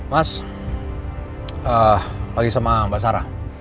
mas lagi sama mbak sarah